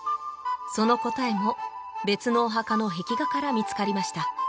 その答えも別のお墓の壁画から見つかりました